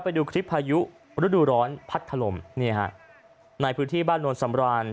ไปดูคลิปพายุฤดูร้อนพัดถล่มนี่ฮะในพื้นที่บ้านโนนสำราน